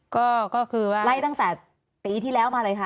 ก็คือว่าไล่ตั้งแต่ปีที่แล้วมาเลยค่ะ